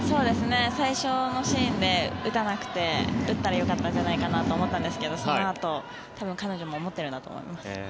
最初のシーンで打たなくて打ったらよかったんじゃないかなと思ったんですけどそのあと多分、彼女も思っているんだと思います。